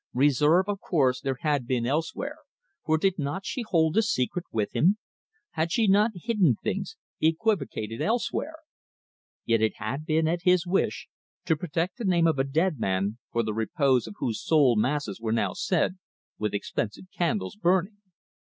Reserve, of course, there had been elsewhere, for did not she hold a secret with him? Had she not hidden things, equivocated else where? Yet it had been at his wish, to protect the name of a dead man, for the repose of whose soul masses were now said, with expensive candles burning.